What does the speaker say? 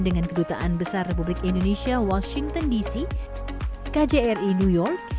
dengan kedutaan besar republik indonesia washington dc kjri new york